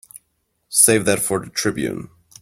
Save that for the Tribune.